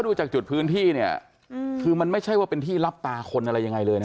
ดูจากจุดพื้นที่เนี่ยคือมันไม่ใช่ว่าเป็นที่รับตาคนอะไรยังไงเลยนะ